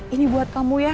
ini buat kamu ya